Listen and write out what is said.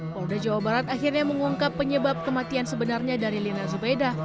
polda jawa barat akhirnya mengungkap penyebab kematian sebenarnya dari lina zubaidah